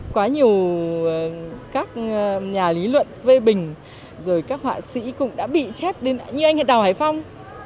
quá nhiều các nhà lý luận phê bình rồi các họa sĩ cũng đã bị chép như anh hà đào hải phong